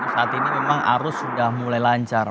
saat ini memang arus sudah mulai lancar